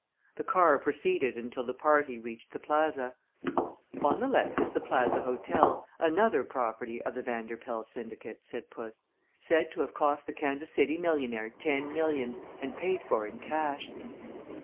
The car proceeded until the party reached the Plaza. "On the left is the Plaza Hotel, another property of the Vanderpoel syndicate," said puss; "said to have cost the Kansas City millionaire ten millions, and paid for in cash."